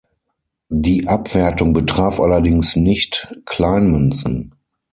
Die Abwertung betraf allerdings nicht Kleinmünzen.